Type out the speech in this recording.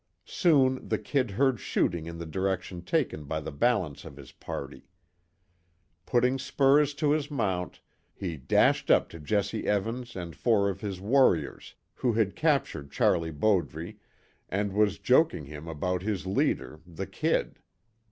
Soon the "Kid" heard shooting in the direction taken by the balance of his party. Putting spurs to his mount, he dashed up to Jesse Evans and four of his "warriors," who had captured Charlie Bowdre, and was joking him about his leader, the "Kid."